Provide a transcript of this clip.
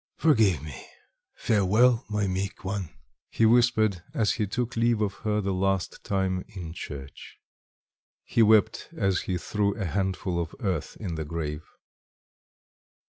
"Forgive me... farewell, my meek one!" he whispered, as he took leave of her the last time in church. He wept as he threw a handful of earth in the grave.